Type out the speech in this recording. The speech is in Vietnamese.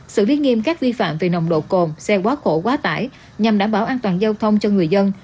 xử lý nghiêm các vi phạm về nồng độ cồn xe quá khổ quá tải nhằm đảm bảo an toàn giao thông cho người dân